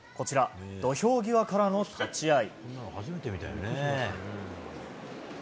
土俵際からの立ち合い。